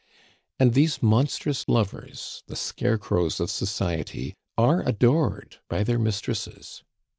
And these monstrous lovers, the scarecrows of society, are adored by their mistresses.